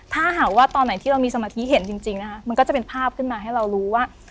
ถ้าหากว่าตอนไหนที่เรามีสมาธิเห็นจริงนะคะมันก็จะเป็นภาพขึ้นมาให้เรารู้ว่า